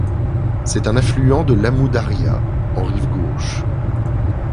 C'est un affluent de l'Amou Daria en rive gauche.